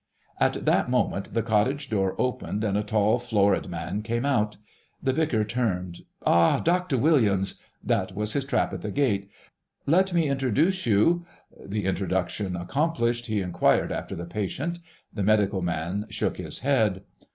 At that moment the cottage door opened and a tall florid man came out. The vicar turned. "Ah, Doctor Williams—that was his trap at the gate—let me introduce you...." The introduction accomplished, he inquired after the patient. The medical man shook his head.